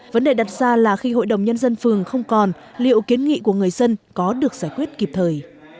vấn đề đặt ra là khi hội đồng nhân dân phường không còn liệu kiến nghị của người dân có được giải quyết kịp thời